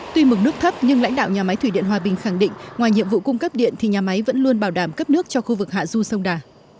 tuy mực nước thấp nhưng lãnh đạo nhà máy thủy điện hòa bình khẳng định ngoài nhiệm vụ cung cấp điện thì nhà máy vẫn luôn bảo đảm cấp nước cho khu vực hạ du sông đà